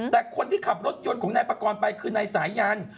แต่คนที่ขับรถยนต์ของนายปากรไปคือนายสายัน